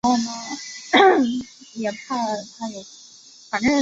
而鼻毛能够保护你不受外来污染物伤害。